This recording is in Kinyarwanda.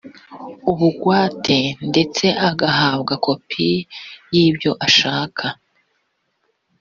ubugwate ndetse agahabwa kopi y ibyo ashaka